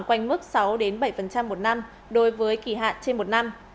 quanh mức sáu bảy một năm đối với kỳ hạn trên một năm